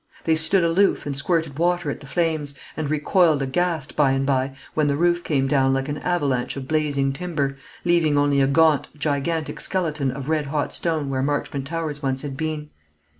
They stood aloof and squirted water at the flames, and recoiled aghast by and by when the roof came down like an avalanche of blazing timber, leaving only a gaunt gigantic skeleton of red hot stone where Marchmont Towers once had been.